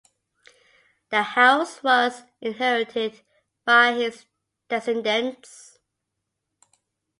The house was inherited by his descendants.